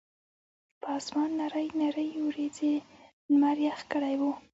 پۀ اسمان نرۍ نرۍ وريځې نمر يخ کړے وو